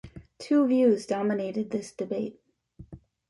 Two views dominated this debate.